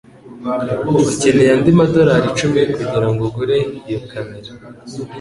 Ukeneye andi madorari icumi kugirango ugure iyo kamera.